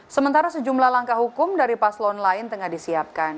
sementara sejumlah langkah hukum dari paslon lain tengah disiapkan